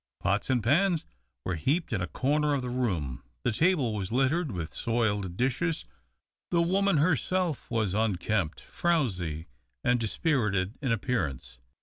Pots and pans were heaped in a corner of the room, the table was littered with soiled dishes, the woman herself was unkempt, frowsy, and dispirited in appearance.